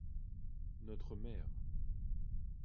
Notre mère.